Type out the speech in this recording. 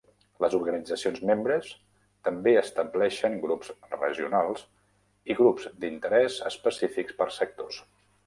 Les organitzacions membres també estableixen grups regionals i grups d'interès específics per sectors.